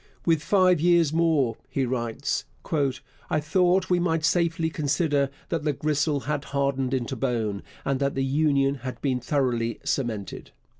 'With five years more,' he writes, 'I thought we might safely consider that the gristle had hardened into bone, and that the Union had been thoroughly cemented.'